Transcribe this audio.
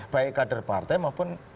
baik kader partai maupun